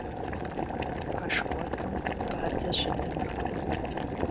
Пэш кӀуэцӀым бадзэ щыдымыркъым.